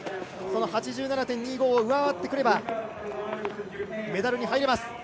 ８７．２５を上回ってくればメダルに入れます。